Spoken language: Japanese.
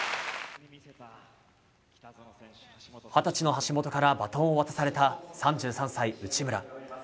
二十歳の橋本からバトンを渡された３３歳、内村。